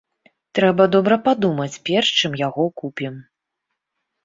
Трэба добра падумаць перш, чым яго купім.